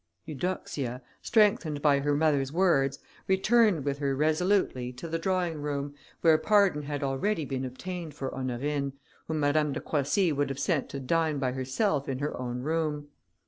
Eudoxia, strengthened by her mother's words, returned with her resolutely to the drawing room, where pardon had already been obtained for Honorine, whom Madame de Croissy would have sent to dine by herself in her own room.